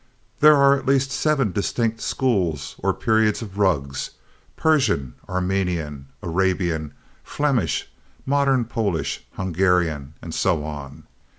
"There are at least seven distinct schools or periods of rugs—Persian, Armenian, Arabian, Flemish, Modern Polish, Hungarian, and so on.